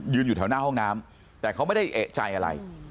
อยู่แถวหน้าห้องน้ำแต่เขาไม่ได้เอกใจอะไร